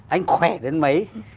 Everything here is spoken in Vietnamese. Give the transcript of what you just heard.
anh khỏe đến mấy